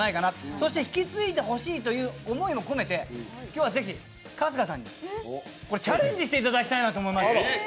そして引き継いでほしいという思いも込めて、今日はぜひ、春日さんにチャレンジしていただきたいと思って。